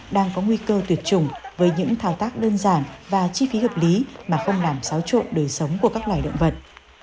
đang có nguy cơ tuyệt chủng với những thao tác đơn giản và chi phí hợp lý mà không làm xáo trộn đời sống của các loài động vật